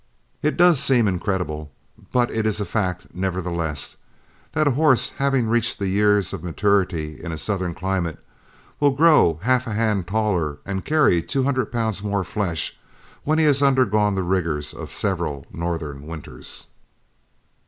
It does seem incredible, but it is a fact nevertheless, that a horse, having reached the years of maturity in a southern climate, will grow half a hand taller and carry two hundred pounds more flesh, when he has undergone the rigors of several northern winters.